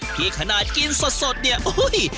ขนาดกินสดเนี่ยอุ้ย